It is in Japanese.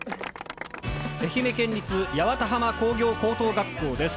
愛媛県立八幡浜工業高等学校です。